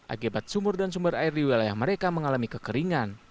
akibat sumur dan sumber air di wilayah mereka mengalami kekeringan